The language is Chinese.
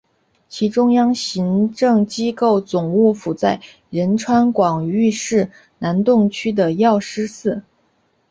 其中央行政机构总务院在仁川广域市南洞区的药师寺。